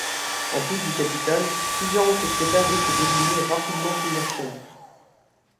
En plus du capital, plusieurs autres critères risquent d'éliminer rapidement plusieurs chaînes.